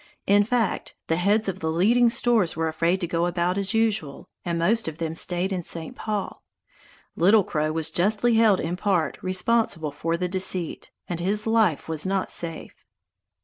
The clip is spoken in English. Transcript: In fact, the heads of the leading stores were afraid to go about as usual, and most of them stayed in St. Paul. Little Crow was justly held in part responsible for the deceit, and his life was not safe.